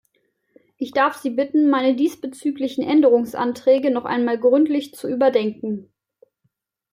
Ich darf Sie bitten, meine diesbezüglichen Änderungsanträge noch einmal gründlich zu überdenken.